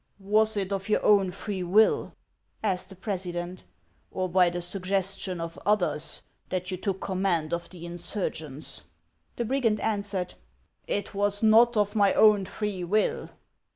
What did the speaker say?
"Was it of your own free will," asked the president, "or by the suggestion of others, that you took command of the insurgents '?;' The brigand answered: ''It was not of my own free will."